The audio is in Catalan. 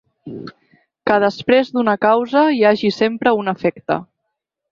Que després d'una causa hi hagi sempre un efecte.